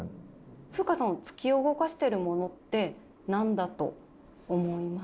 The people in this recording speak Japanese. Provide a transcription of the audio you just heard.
風夏さんを突き動かしてるものって何だと思いますか？